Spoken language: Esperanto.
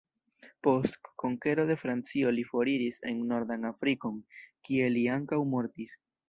Post konkero de Francio li foriris en nordan Afrikon, kie li ankaŭ mortis.